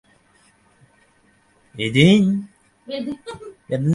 বিনোদিনীর গলা ধরিয়া বলিল, চোখের বালি।